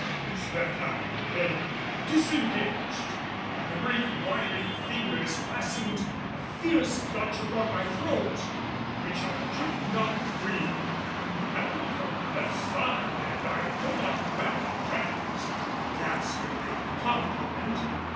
His left hand became disengaged and the great wiry fingers fastened a fierce clutch upon my throat, which I could not free. He had me from the left side and I could not well return his dastardly compliment.